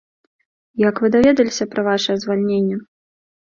Як вы даведаліся пра вашае звальненне?